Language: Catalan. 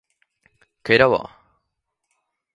Que era bo?